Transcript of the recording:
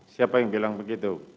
siapa yang bilang begitu